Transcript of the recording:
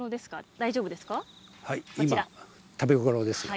大丈夫ですか？